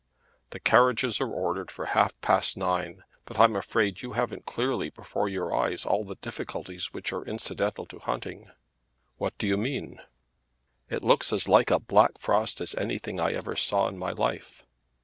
"The carriages are ordered for half past nine. But I'm afraid you haven't clearly before your eyes all the difficulties which are incidental to hunting." "What do you mean?" "It looks as like a black frost as anything I ever saw in my life."